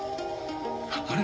あれ？